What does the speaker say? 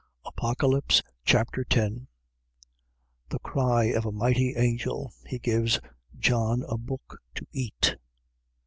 Apocalypse Chapter 10 The cry of a mighty angel. He gives John a book to eat.